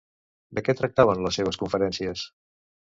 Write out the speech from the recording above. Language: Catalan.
De què tractaven les seves conferències?